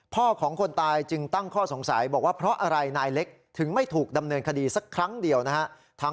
พ่อของคนตายจึงตั้งข้อสงสัยบอกว่าเพราะอะไรนายเล็กถึงไม่ถูกดำเนินคดีสักครั้งเดียวนะฮะ